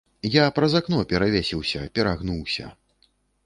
Я праз акно перавесіўся, перагнуўся.